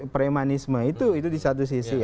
premanisme itu di satu sisi